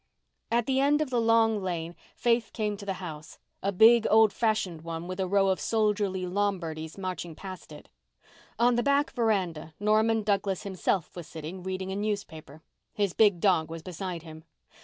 At the end of the long lane Faith came to the house—a big, old fashioned one with a row of soldierly Lombardies marching past it. On the back veranda Norman Douglas himself was sitting, reading a newspaper. His big dog was beside him.